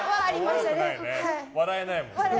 笑えないもん。